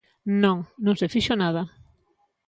Non, non se fixo nada.